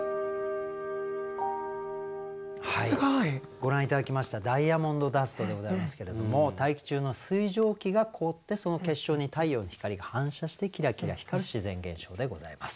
ご覧頂きましたダイヤモンドダストでございますけれども大気中の水蒸気が凍ってその結晶に太陽の光が反射してキラキラ光る自然現象でございます。